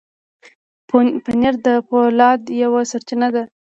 پنېر د فولاد یوه سرچینه ده.